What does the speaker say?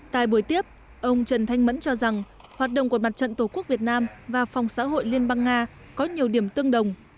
tại buổi tiếp ông trần thanh mẫn cho rằng hoạt động của mặt trận tổ quốc việt nam và phòng xã hội liên bang nga có nhiều điểm tương đồng